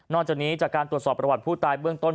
จากนี้จากการตรวจสอบประวัติผู้ตายเบื้องต้น